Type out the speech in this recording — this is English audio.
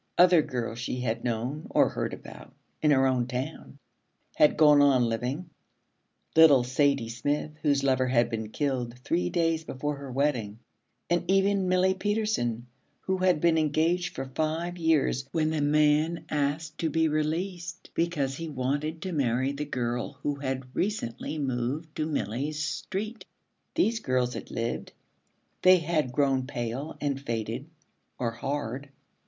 Other girls she had known or heard about in her own town had gone on living: little Sadie Smith whose lover had been killed three days before her wedding, and even Milly Petersen, who had been engaged for five years when the man asked to be released because he wanted to marry the girl who had recently moved to Milly's street. These girls had lived; they had grown pale and faded, or hard.